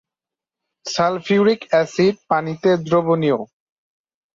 Sulphuric acid পানিতে দ্রবণীয়।